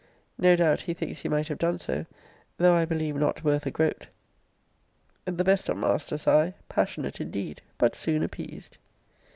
No doubt, he thinks he might have done so; though I believe not worth a groat. 'The best of masters I passionate, indeed; but soon appeased.'